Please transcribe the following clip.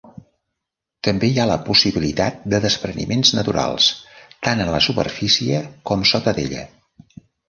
També hi ha la possibilitat de despreniments naturals tant en la superfície com sota d'ella.